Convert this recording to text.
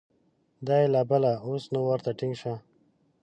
دا یې لا بله ، اوس نو ورته ټینګ شه !